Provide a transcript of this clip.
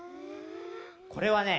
これはね